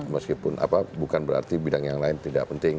meskipun apa bukan berarti bidang yang lain tidak penting